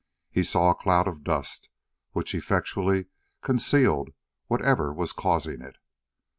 He saw a cloud of dust, which effectually concealed whatever was causing it.